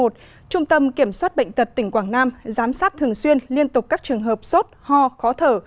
trung tâm kiểm soát bệnh tật tỉnh quảng nam giám sát thường xuyên liên tục các trường hợp sốt ho khó thở